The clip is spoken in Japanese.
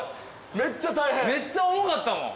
めっちゃ重かったもん。